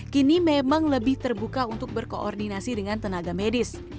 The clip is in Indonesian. kini memang lebih terbuka untuk berkoordinasi dengan tenaga medis